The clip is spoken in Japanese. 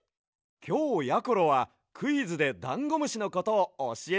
きょうやころはクイズでダンゴムシのことをおしえてくれるんだよね？